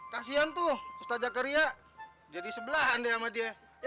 kasian tuh ustaz jakaria jadi sebelahan deh sama jangka